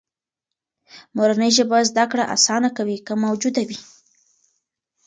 مورنۍ ژبه زده کړه آسانه کوي، که موجوده وي.